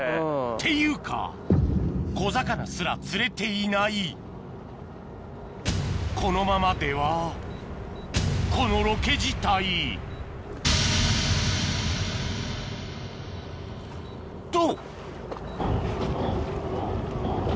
ていうか小魚すら釣れていないこのままではこのロケ自体と！